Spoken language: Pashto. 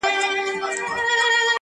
• تر څو نه یو شرمینده تر پاک سبحانه,